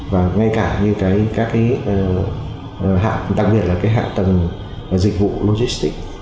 và đặc biệt là hạ tầng dịch vụ logistic